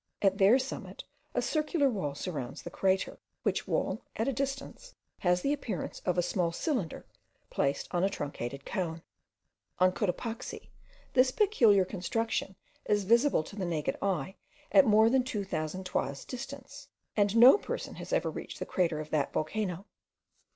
At their summit a circular wall surrounds the crater; which wall, at a distance, has the appearance of a small cylinder placed on a truncated cone. On Cotopaxi this peculiar construction is visible to the naked eye at more than 2000 toises distance; and no person has ever reached the crater of that volcano.